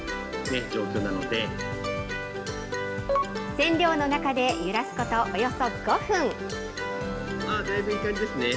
染料の中で揺らすことおよそ５分。